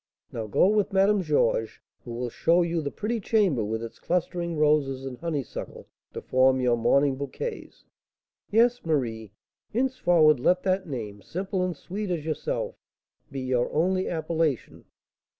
Now, go with Madame Georges, who will shew you the pretty chamber, with its clustering roses and honeysuckle to form your morning bouquets. Yes, Marie, henceforward let that name, simple and sweet as yourself, be your only appellation.